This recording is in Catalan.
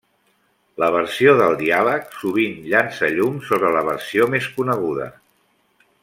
La versió del diàleg, sovint llança llum sobre la versió més coneguda.